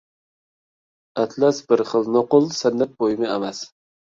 ئەتلەس بىر خىل نوقۇل سەنئەت بۇيۇمى ئەمەس.